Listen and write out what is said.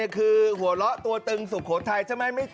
คือหัวเราะตัวตึงสุโขทัยใช่ไหม